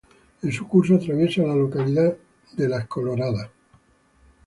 En su curso atraviesa la localidad de Las Coloradas.